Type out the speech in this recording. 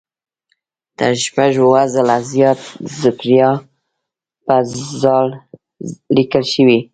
تر شپږ اووه ځله زیات زکریا په "ذ" لیکل شوی.